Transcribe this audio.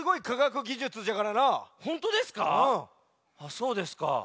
そうですか。